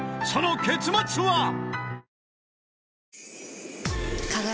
その結末は］